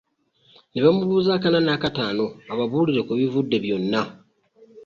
Ne bamubuuza akanna n'akataano ababuulire kwebivudde byonna.